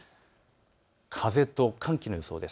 風と寒気の予想です。